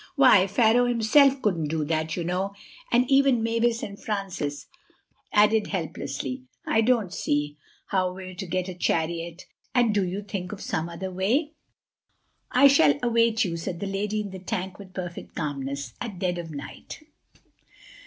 Why, Pharaoh himself couldn't do that, you know." And even Mavis and Francis added helplessly, "I don't see how we're to get a chariot," and "do you think of some other way." "I shall await you," said the lady in the tank with perfect calmness, "at dead of night."